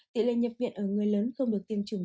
tỷ lệ nhập viện ở người lớn không được tiêm chủng